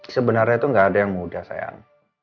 sebenarnya tuh gak ada yang mudah sayang